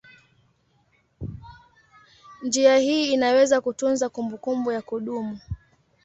Njia hii inaweza kutunza kumbukumbu ya kudumu.